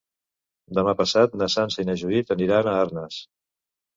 Demà passat na Sança i na Judit aniran a Arnes.